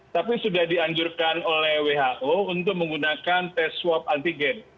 tapi sudah dianjurkan oleh who untuk menggunakan tes swab antigen